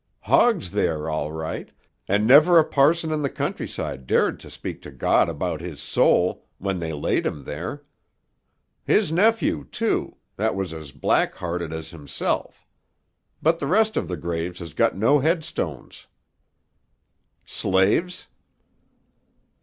"Hogg's there, all right, an' never a parson in the countryside dared to speak to God about his soul, when they laid him there. His nephew, too, that was as black hearted as himself. But the rest of the graves has got no headstones." "Slaves?"